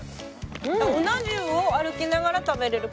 うな重を歩きながら食べられる感じですか？